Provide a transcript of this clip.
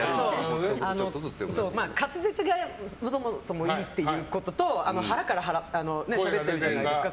滑舌がそもそもいいっていうことと腹からしゃべってるじゃないですか。